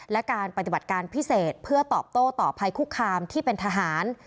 และการปฏิบัติการพิเศษเพื่อตอบโต้ต่อภัยคุกคามที่เป็นทหาร